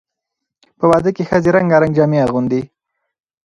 په واده کې ښځې رنګارنګ جامې اغوندي.